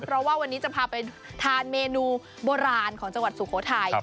เพราะว่าวันนี้จะพาไปทานเมนูโบราณของจังหวัดสุโขทัย